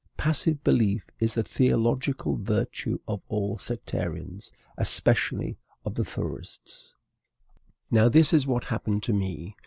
Passive belief is the theological virtue of all sectarians, especially of the Fourierists. Now, this is what happened to me.